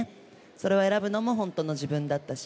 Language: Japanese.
それを選ぶのも本当の自分だったし。